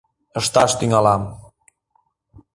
Ышташ тӱҥалам!